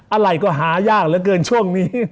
อะไรก็หายากเหลือเกินช่วงนี้